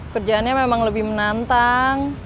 kerjaannya memang lebih menantang